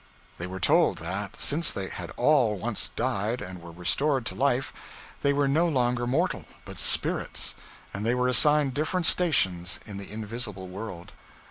They were told that, since they had all once died, and were restored to life, they were no longer mortal, but spirits, and they were assigned different stations in the invisible world.